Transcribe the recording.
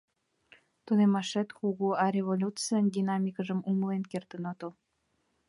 Тунеммашет кугу, а революцийын динамикыжым умылен кертын отыл.